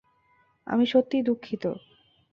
আমি সত্যিই দুঃখিত।